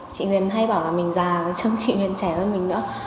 chị huyền hay bảo là mình già chấm chị huyền trẻ hơn mình nữa